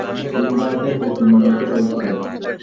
তিনি ভারতের প্রতিনিধিত্ব করেছিলেন।